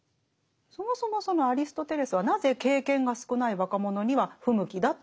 そもそもそのアリストテレスはなぜ経験が少ない若者には不向きだって言ってるんですか？